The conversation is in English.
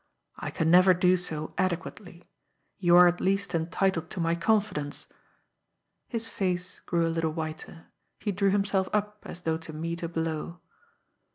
"I can never do so adequately. You are at least entitled to my confidence." His face grew a little whiter; he drew himself up as though to meet a blow.